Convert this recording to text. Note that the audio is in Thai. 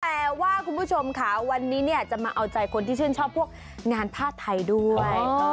แต่ว่าคุณผู้ชมค่ะวันนี้เนี่ยจะมาเอาใจคนที่ชื่นชอบพวกงานผ้าไทยด้วย